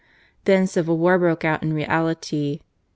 Then civil war broke out in reality.